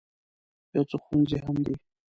یو څو ښوونځي هم دي.